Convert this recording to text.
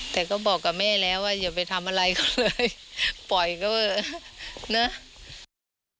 แต่ก็บอกกับแม่แล้วว่าอย่าไปทำอะไรก็เลยปล่อยก็นะ